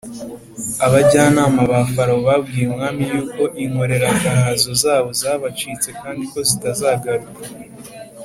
abajyanama ba farawo babwiye umwami yuko inkoreragahazo zabo zabacitse kandi ko zitazagaruka.